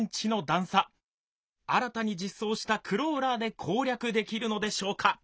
新たに実装したクローラーで攻略できるのでしょうか？